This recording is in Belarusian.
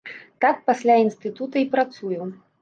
Так пасля інстытута і працую.